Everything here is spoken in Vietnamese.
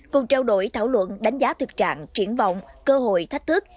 cùng trao đổi thảo luận đánh giá thực trạng triển vọng cơ hội thách thức